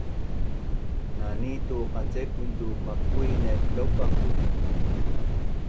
na ni tu qancepun tu makuin naip laupaku?